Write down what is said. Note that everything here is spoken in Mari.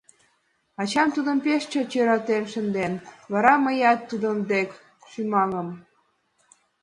Ачам тудым пеш чот йӧратен шындыш, вара мыят тудын дек шӱмаҥым.